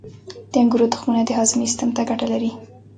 • د انګورو تخمونه د هاضمې سیستم ته ګټه لري.